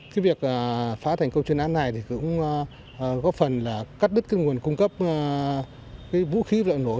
cái việc phá thành công chuyên án này cũng góp phần là cắt đứt nguồn cung cấp vũ khí và lợi nổ